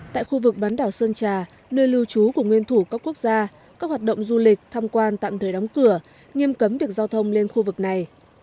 tại khu vực bán đảo sơn trà nơi lưu trú của nguyên thủ các quốc gia các hoạt động du lịch tham quan tạm thời đóng cửa nghiêm cấm việc giao thông lên khu vực này